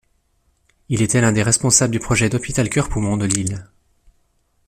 Il était l'un des responsables du projet d'hôpital cœur-poumons de Lille.